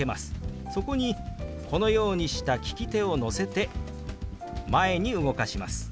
そこにこのようにした利き手を乗せて前に動かします。